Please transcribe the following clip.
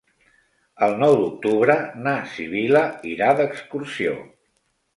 El nou d'octubre na Sibil·la irà d'excursió.